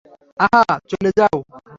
আহ, চলে যাও!